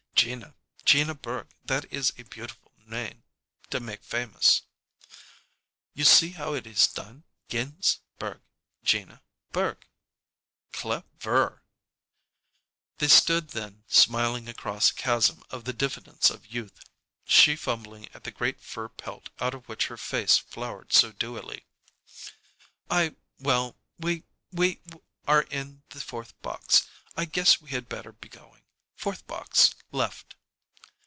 "Gina Gina Berg; that is a beautiful name to make famous." "You see how it is done? Gins berg. Gina Berg." "Clev er!" They stood then smiling across a chasm of the diffidence of youth, she fumbling at the great fur pelt out of which her face flowered so dewily. "I Well we we are in the fourth box I guess we had better be going Fourth box, left."